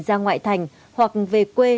ra ngoại thành hoặc về quê